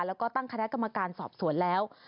แล้วก็ตั้งคณะกรรมการสอบสวนแล้ว